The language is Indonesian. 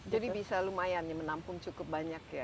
jadi bisa lumayan menampung cukup banyak ya